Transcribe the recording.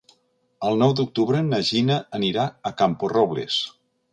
El nou d'octubre na Gina anirà a Camporrobles.